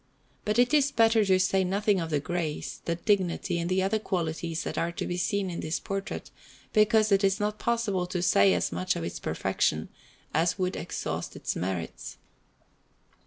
But it is better to say nothing of the grace, the dignity, and the other qualities that are to be seen in this portrait, because it is not possible to say as much of its perfection as would exhaust its merits.